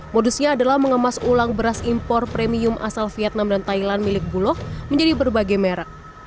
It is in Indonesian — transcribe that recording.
modusnya adalah mengemas ulang beras impor premium asal vietnam dan thailand milik bulog menjadi berbagai merek